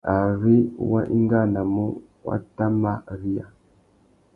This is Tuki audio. Ari wá ingānamú, wá tà mà riya.